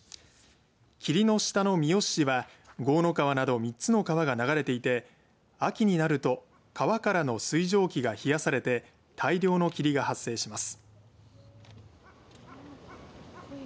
霧の下の三次市は江の川など３つの川が流れていて秋になると川からの水蒸気が冷やされて大量の霧が発生します。